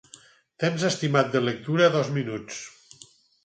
Temps estimat de lectura: dos minuts.